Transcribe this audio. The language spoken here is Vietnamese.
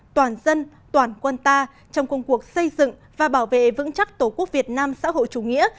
toàn dân toàn quân ta trong công cuộc xây dựng và bảo vệ vững chắc tổ quốc việt nam xã hội chủ nghĩa